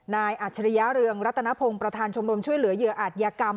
อัจฉริยะเรืองรัตนพงศ์ประธานชมรมช่วยเหลือเหยื่ออาจยากรรม